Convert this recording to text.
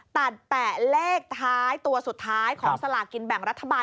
ตัดแปะเลขท้ายตัวสุดท้ายของสลากินแบ่งรัฐบาล